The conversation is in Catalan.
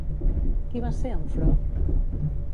Qui va ser Eufró?